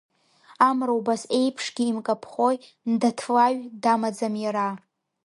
Амра убас еиԥшгьы имкаԥхои, Ндаҭлаҩ дамаӡам иара.